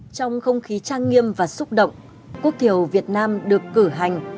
trong không khí trang nghiêm và xúc động quốc thiểu việt nam được cử hành